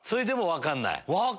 分かんない。